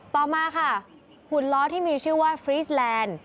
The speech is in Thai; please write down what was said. ต่อมาค่ะหุ่นล้อที่มีชื่อว่าฟรีสแลนด์